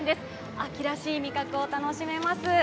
秋らしい味覚を楽しめます。